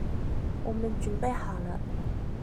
我們準備好了